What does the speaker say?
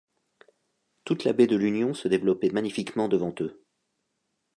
Toute la baie de l’Union se développait magnifiquement devant eux.